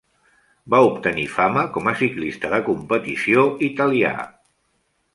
Va obtenir fama com a ciclista de competició italià.